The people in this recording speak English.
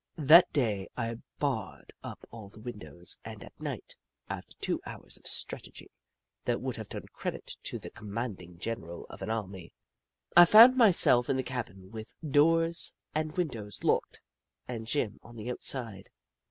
That day I barred up all the windows, and at night, after two hours of strategy that would have done credit to the commanding general of an army, I found myself in the cabin, with doors and windows locked, and Jim on the outside.